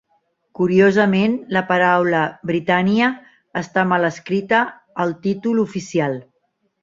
Curiosament, la paraula "Britannia" està mal escrita al títol oficial.